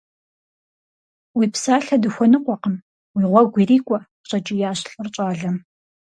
Уи псалъэ дыхуэныкъуэкъым, уи гъуэгу ирикӀуэ! – щӀэкӀиящ лӀыр щӀалэм.